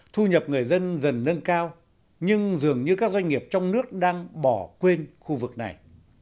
thu nhập người dân dần nâng cao nhưng dường như các doanh nghiệp trong nước đang bỏ quên khu vực này